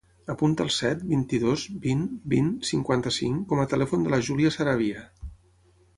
Apunta el set, vint-i-dos, vint, vint, cinquanta-cinc com a telèfon de la Júlia Saravia.